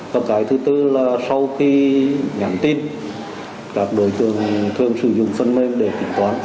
và cái thứ tư là sau khi nhắn tin các đối tượng thường sử dụng phân mên để tỉnh toán